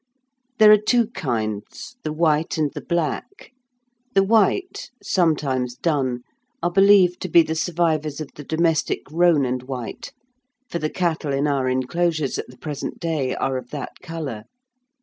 There are two kinds, the white and the black. The white (sometimes dun) are believed to be the survivors of the domestic roan and white, for the cattle in our enclosures at the present day are of that colour.